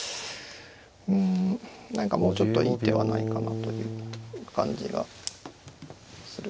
うん何かもうちょっといい手はないかなという感じがする。